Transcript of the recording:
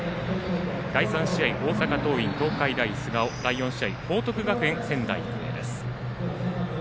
第３試合、大阪桐蔭、東海大菅生第４試合報徳学園、仙台育英です。